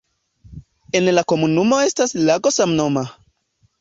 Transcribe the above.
En la komunumo estas lago samnoma.